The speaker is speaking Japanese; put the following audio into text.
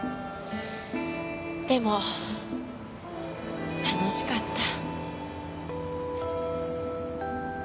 でも楽しかった。